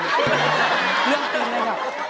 เรื่องจริงเลยครับ